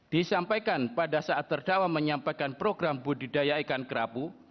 disampaikan pada saat terdakwa menyampaikan program budidaya ikan kerapu